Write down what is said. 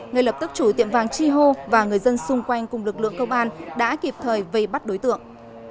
ngay lập tức chủ tiệm vàng chi hô và người dân xung quanh cùng lực lượng công an đã kịp thời vây bắt đối tượng